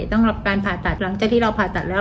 ต้องรับการภาษาหลังจากที่เราภาษาแล้ว